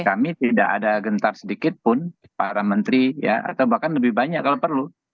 kami tidak ada gentar sedikit pun para menteri ya atau bahkan lebih banyak kalau perlu